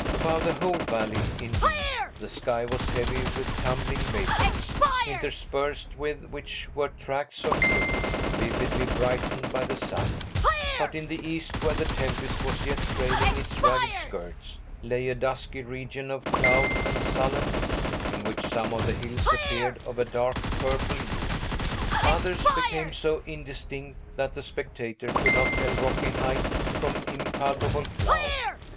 Above the whole valley, indeed, the sky was heavy with tumbling vapors, interspersed with which were tracts of blue, vividly brightened by the sun; but, in the east, where the tempest was yet trailing its ragged skirts, lay a dusky region of cloud and sullen mist, in which some of the hills appeared of a dark purple hue. Others became so indistinct, that the spectator could not tell rocky height from impalpable cloud.